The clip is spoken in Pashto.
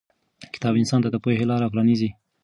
کتاب انسان ته د پوهې لارې پرانیزي.